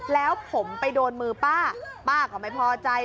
แล้วผมไปโดนมือป้าป้าก็ไม่พอใจ